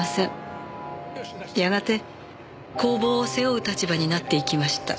やがて工房を背負う立場になっていきました。